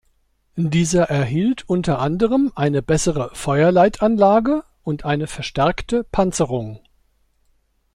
Dieser erhielt unter anderem eine bessere Feuerleitanlage und eine verstärkte Panzerung.